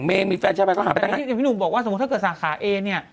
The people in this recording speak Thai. เมย์มีแฟนชายไปก็หาพนักงานพี่หนุ่มบอกว่าสมมุติถ้าเกิดสาขาเอเนี้ย